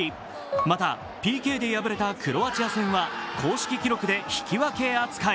またＰＫで敗れたクロアチア戦は公式記録で引き分け扱い。